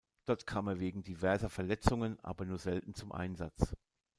Dort kam er wegen diverser Verletzungen aber nur selten zum Einsatz.